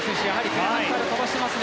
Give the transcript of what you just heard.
前半から飛ばしています。